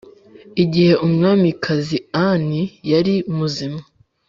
igihe umwamikazi anne yari muzima.